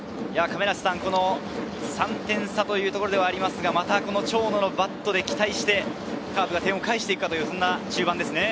３点差というところですが、長野のバットで期待して、カープが点を返していくかという中盤ですね。